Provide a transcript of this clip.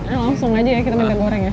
langsung aja ya kita minta goreng ya